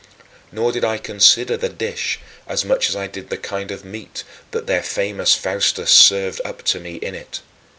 Nor did I consider the dish as much as I did the kind of meat that their famous Faustus served up to me in it.